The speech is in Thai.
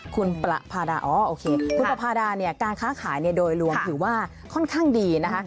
คุณปภาดาการค้าขายโดยรวมถือว่าค่อนข้างดีนะคะ